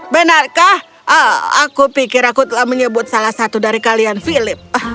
benarkah aku pikir aku telah menyebut salah satu dari kalian philip